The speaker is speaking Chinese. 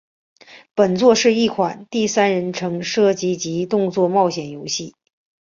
本作是一款第三人称射击及动作冒险游戏。